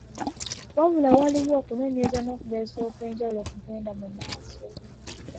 Wabula waliwo okunoonyereza n’okugezesa okw’enjawulo okugenda mu maaso.